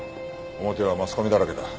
表はマスコミだらけだ。